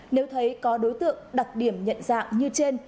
nếu thấy có đối tượng đặc điểm nhận dạng như trên